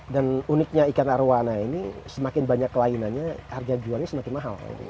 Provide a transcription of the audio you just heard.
uniknya ikan arowana ini semakin banyak kelainannya harga jualnya semakin mahal